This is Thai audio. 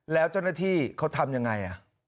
แล้วเจ้าหน้าที่เขาทำยังไง